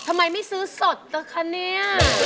ทำไมไม่ซื้อสดล่ะคะเนี่ย